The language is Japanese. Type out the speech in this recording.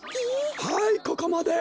はいここまで！